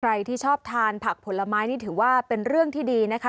ใครที่ชอบทานผักผลไม้นี่ถือว่าเป็นเรื่องที่ดีนะคะ